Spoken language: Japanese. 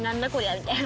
みたいな。